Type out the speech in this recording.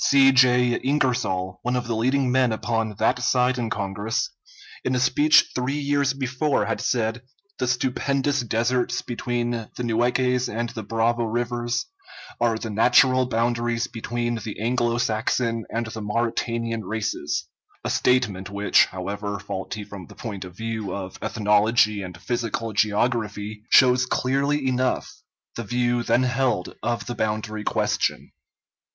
C. J. Ingersoll, one of the leading men upon that side in Congress, in a speech three years before had said: "The stupendous deserts between the Nueces and the Bravo rivers are the natural boundaries between the Anglo Saxon and the Mauritanian races"; a statement which, however faulty from the point of view of ethnology and physical geography, shows clearly enough the view then held of the boundary question.